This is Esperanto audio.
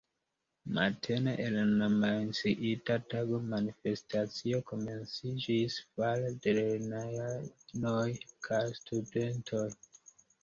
Matene en la menciita tago manifestacio komenciĝis fare de lernejanoj kaj studentoj.